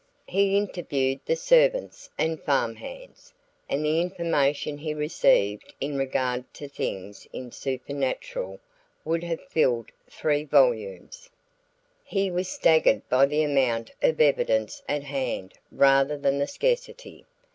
He interviewed the servants and farm hands, and the information he received in regard to things supernatural would have filled three volumes; he was staggered by the amount of evidence at hand rather than the scarcity.